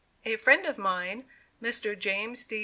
A friend of mine, Mr. James D.